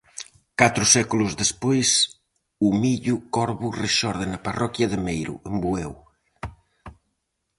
Catro séculos despois, o millo corvo rexorde na parroquia de Meiro, en Bueu.